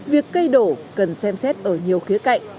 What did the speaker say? việc cây đổ cần xem xét ở nhiều khía cạnh